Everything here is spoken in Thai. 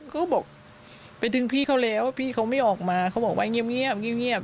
เขาบอกไปดึงพี่เขาแล้วพี่เขาไม่ออกมาเขาบอกว่าเงียบเงียบ